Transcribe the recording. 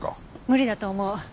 無理だと思う。